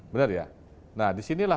benar ya nah disinilah